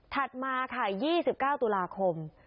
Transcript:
ถัดมาค่ะยี่สิบเก้าตุลาคม